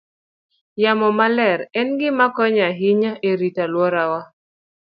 Yamo maler en gima konyo ahinya e rito alworawa.